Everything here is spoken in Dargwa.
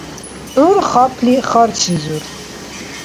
ГӀур хапли харчризур.